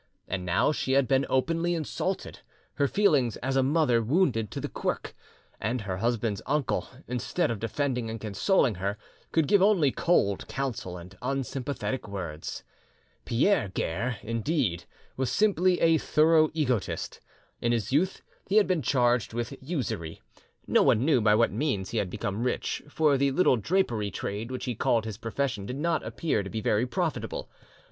And now she had been openly insulted, her feelings as a mother wounded to the quirk; and her husband's uncle, instead of defending and consoling her, could give only cold counsel and unsympathetic words! Pierre Guerre, indeed, was simply a thorough egotist. In his youth he had been charged with usury; no one knew by what means he had become rich, for the little drapery trade which he called his profession did not appear to be very profitable.